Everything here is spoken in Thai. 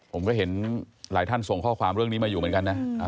ผมก็เห็นหลายท่านส่งข้อความเรื่องนี้มาอยู่เหมือนกันนะ